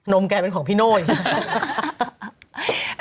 นมแกเป็นของพิโน่อยมัน